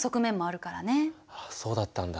ああそうだったんだ。